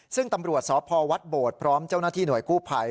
ซึ่งตำรวจสพวัดโบดพร้อมเจ้าหน้าที่หน่วยกู้ภัย